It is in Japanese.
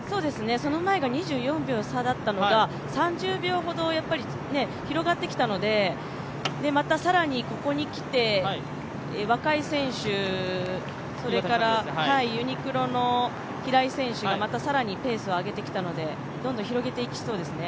その前が２４秒の差だったのが、３０秒ほど広がってきたので、また更にここにきて若井選手、ユニクロの平井選手がまた更にペースを上げてきたので、どんどん広げていきそうですね。